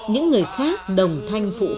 những người khác đồng thanh phụ bạn